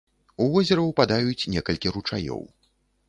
У возера ўпадаюць некалькі ручаёў.